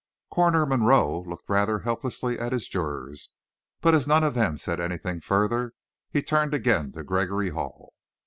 Coroner Monroe looked rather helplessly at his jurors, but as none of them said anything further, he turned again to Gregory Hall.